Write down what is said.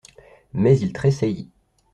Mais il tressaillit.